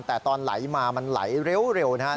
แต่ตอนไหลมามันไหลเร็วนะครับ